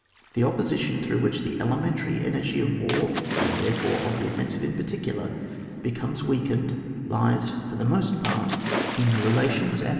The opposition through which the elemen tary energy of war, and therefore of the offensive in particular, becomes weakened, lies for the most part in the relations and 94 ON WAR.